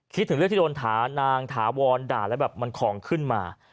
ถึงเรื่องที่โดนถานางถาวรด่าแล้วแบบมันของขึ้นมา